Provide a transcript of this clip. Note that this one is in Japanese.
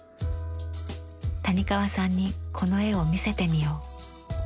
谷川さんにこの絵を見せてみよう。